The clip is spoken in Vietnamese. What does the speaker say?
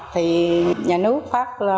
thì nhà nước phát